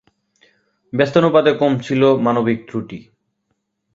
ব্যস্তানুপাতে কমছিল মানবিক ত্রুটি।